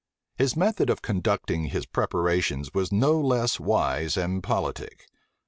His method of conducting his preparations was no less wise and politic.